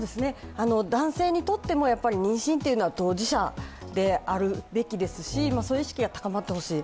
男性にとっても妊娠というのは当事者であるべきですしそういう意識が高まってほしい。